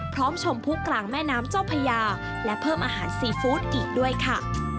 ชมผู้กลางแม่น้ำเจ้าพญาและเพิ่มอาหารซีฟู้ดอีกด้วยค่ะ